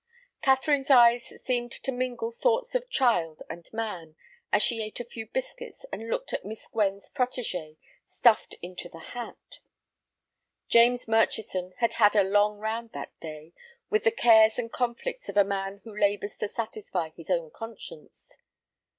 Catherine's eyes seemed to mingle thoughts of child and man, as she ate a few biscuits and looked at Miss Gwen's protégé stuffed into the hat. James Murchison had had a long round that day, with the cares and conflicts of a man who labors to satisfy his own conscience.